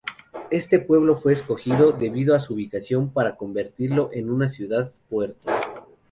Este pueblo fue escogido, debido a su ubicación, para convertirlo en una ciudad-puerto.